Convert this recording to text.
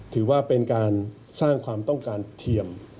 ถือว่าเป็นการสร้างความต้องการเทียม